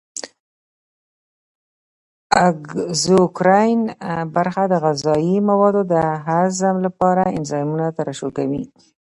اګزوکراین برخه د غذایي موادو د هضم لپاره انزایمونه ترشح کوي.